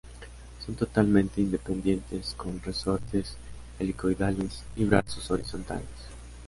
Son totalmente independientes con resortes helicoidales y brazos horizontales.